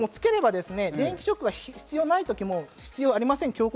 つければ、電気ショックが必要ない時は、もう必要ありません。